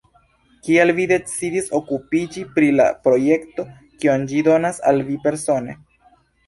Kial vi decidis okupiĝi pri la projekto, kion ĝi donas al vi persone?